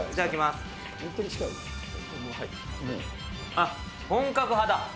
あっ、本格派だ。